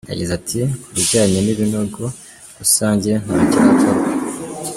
Yagize ati: "Ku bijanye n'ibinogo rusangi, ntakirakorwa.